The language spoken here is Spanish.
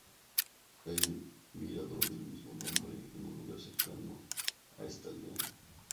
Hay un mirador del mismo nombre en un lugar cercano a esta aldea.